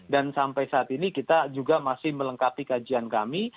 dan sampai saat ini kita juga masih melengkapi kajian kami